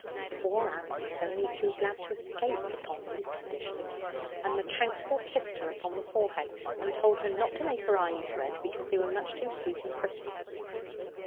Poor Annie was only too glad to escape, upon these conditions; and the Counsellor kissed her upon the forehead and told her not to make her eyes red, because they were much too sweet and pretty.